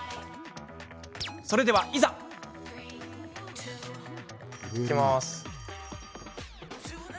それでは、いざ。いきます。